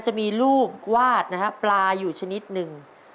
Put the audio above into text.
จะมีลูกวาดนะฮะปลาอยู่ชนิดหนึ่ง